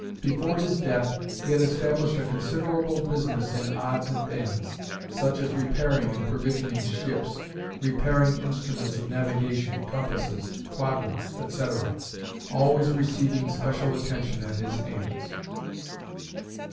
Before his death he had established a considerable business in odds and ends, such as repairing and provisioning ships; repairing instruments of navigation, compasses, quadrants, etc., always receiving special attention at his hands.